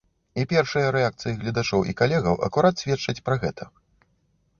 І першыя рэакцыі гледачоў і калегаў акурат сведчаць пра гэта.